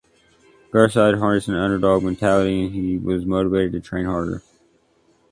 Garside harnessed an underdog mentality and he was motivated to train harder.